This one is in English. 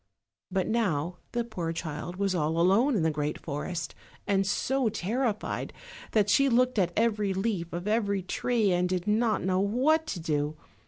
But now the poor child was all alone in the great forest, and so terrified that she looked at every leaf of every tree, and did not know what to do.